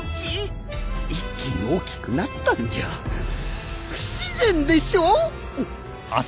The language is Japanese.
一気に大きくなったんじゃ不自然でしょ！